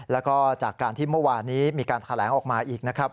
แล้วก็จากการที่เมื่อวานนี้มีการแถลงออกมาอีกนะครับ